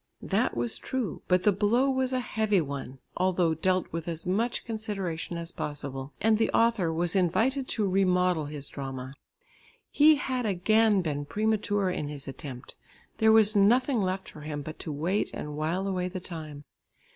That was true, but the blow was a heavy one, although dealt with as much consideration as possible, and the author was invited to remodel his drama. He had again been premature in his attempt. There was nothing left for him but to wait and wile away the time.